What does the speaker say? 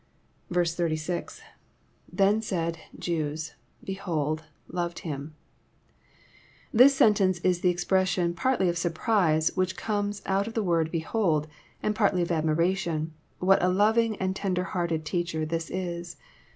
86.— [TAcn said,,. Jews.., Behold., A(yoed him,'] This sentence is the expression partly of surprise, which comes out in the word " behold ;" and partly of admiration, — what a loving and tender hearted Teacher this is